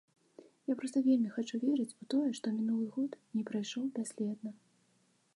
Я проста вельмі хачу верыць у тое, што мінулы год не прайшоў бясследна.